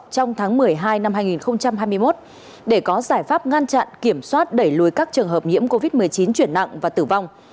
trong tháng một mươi hai năm hai nghìn hai mươi một để có giải pháp ngăn chặn kiểm soát đẩy lùi các trường hợp nhiễm covid một mươi chín chuyển nặng và tử vong